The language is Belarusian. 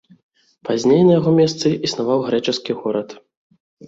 Пазней на яго месцы існаваў грэчаскі горад.